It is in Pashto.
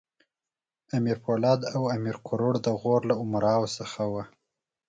امیر پولاد او امیر کروړ د غور له امراوو څخه وو.